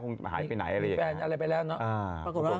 คงจะหายไปไหนอะไรอย่างนี้